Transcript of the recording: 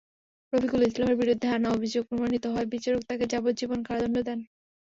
রফিকুল ইসলামের বিরুদ্ধে আনা অভিযোগ প্রমাণিত হওয়ায় বিচারক তাঁকে যাবজ্জীবন কারাদণ্ড দেন।